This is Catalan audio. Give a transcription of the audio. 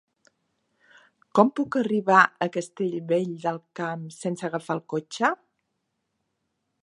Com puc arribar a Castellvell del Camp sense agafar el cotxe?